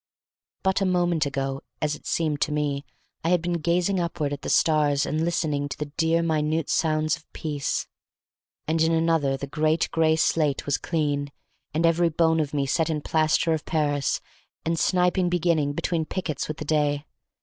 But a moment ago, as it seemed to me, I had been gazing upward at the stars and listening to the dear, minute sounds of peace; and in another the great gray slate was clean, and every bone of me set in plaster of Paris, and sniping beginning between pickets with the day.